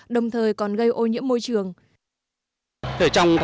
đồng thời còn gây ô nhiễm môi trường